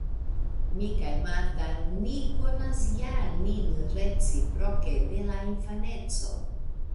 Mi kaj Marta ni konas ja nin reciproke de la infaneco.